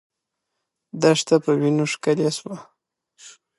دښته په وینو ښکلې سوه.